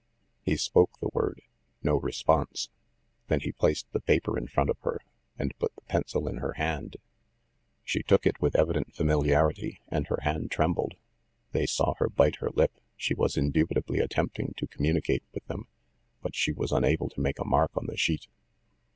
He spoke the word; no response. .Then he placed the paper in front of her, and put the pencil in her hand. She took NUMBER THIRTEEN 171 it with evident familiarity, and her hand trembled. They saw her bite her lip ‚ÄĒ she was indubitably at tempting to communicate with them ‚ÄĒ but she was un able to make a mark on the sheet.